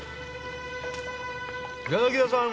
柳田さん！